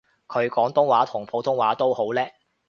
佢廣東話同普通話都好叻